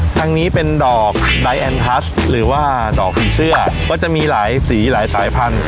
ทางนี้เป็นดอกไดแอนพลัสหรือว่าดอกสีเสื้อก็จะมีหลายสีหลายสายพันธุ